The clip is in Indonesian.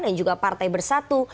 dan juga partai bersatu